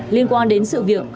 liên quan đến sự việc